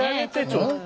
ちょっと！